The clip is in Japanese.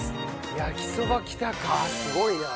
焼きそばきたかすごいな。